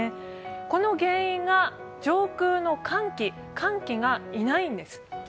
この原因が上空の寒気、寒気がいないんです。